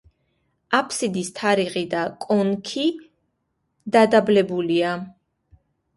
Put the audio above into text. აფსიდის თაღი და კონქი დადაბლებულია.